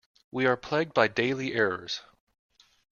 We are plagued by daily errors.